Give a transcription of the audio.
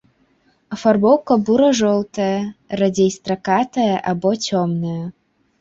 Афарбоўка бура-жоўтая, радзей стракатая або цёмная.